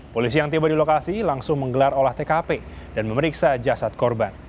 polisi yang tiba di lokasi langsung menggelar olah tkp dan memeriksa jasad korban